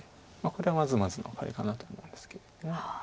これはまずまずのワカレかなと思いますけど。